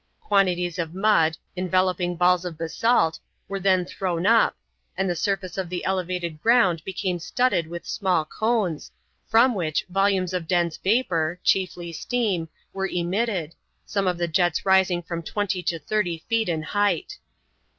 Quantities of mud, enveloping balls of basalt, were then thrown up, and the surface of the elevated ground became studded with small cones, from which volumes of dense vapor, chiefly steam, were emitted, some of the jets rising from 20 to 30 feet in height.